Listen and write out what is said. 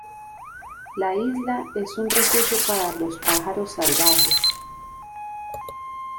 La isla es un refugio para los pájaros salvajes.